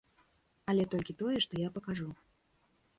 Але толькі тое, што я пакажу.